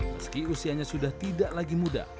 meski usianya sudah tidak lagi muda